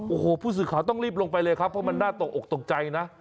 โอ้โหผู้สื่อข่าวต้องรีบลงไปเลยครับเพราะมันน่าตกอกตกใจนะ